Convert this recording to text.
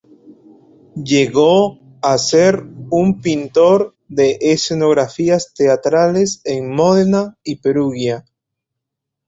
Llegó a ser un pintor de escenografías teatrales en Módena y Perugia.